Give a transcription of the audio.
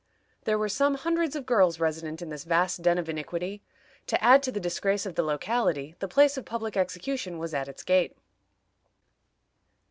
There were some hundreds of girls resident in this vast den of iniquity. To add to the disgrace of the locality, the place of public execution was at its gate.